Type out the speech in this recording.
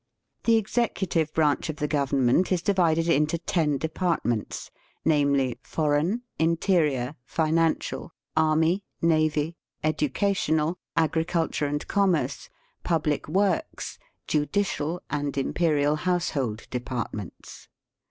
The executive branch of the Government is divided into ten departments, namely, foreign, interior, financial, army, navy, educational, agriculture and commerce, public works, judicial, and imperial household depart ments.